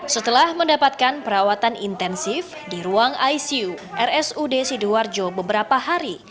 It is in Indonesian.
setelah mendapatkan perawatan intensif di ruang icu rsud sidoarjo beberapa hari